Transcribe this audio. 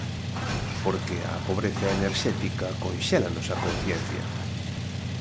Porque a pobreza enerxética conxélanos a conciencia.